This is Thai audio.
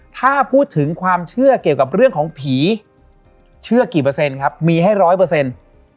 ถ้าพูดถึงความเชื่อเกี่ยวกับเรื่องของผีเชื่อกี่เปอร์เซ็นต์ครับมีให้ร้อยเปอร์เซ็นต์